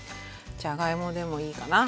じゃがいもでもいいかな。